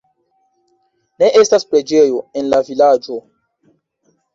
Ne estas preĝejo en la vilaĝo.